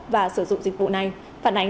và sử dụng dịch vụ này phản ánh